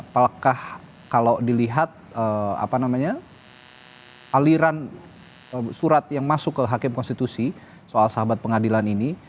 apakah kalau dilihat aliran surat yang masuk ke hakim konstitusi soal sahabat pengadilan ini